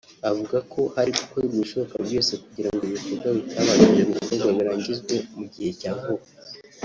avuga ko hari gukorwa ibishoboka byose kugira ngo ibikorwa bitabashije gukorwa birangizwe mu gihe cya vuba